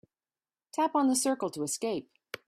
Tap on the circle to escape.